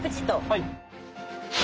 はい。